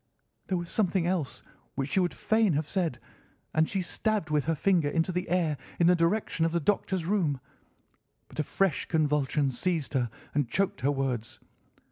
There was something else which she would fain have said, and she stabbed with her finger into the air in the direction of the Doctor's room, but a fresh convulsion seized her and choked her words.